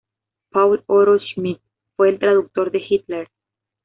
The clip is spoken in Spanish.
Paul-Otto Schmidt fue el traductor de Hitler.